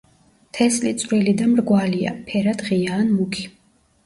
თესლი წვრილი და მრგვალია, ფერად ღია ან მუქი.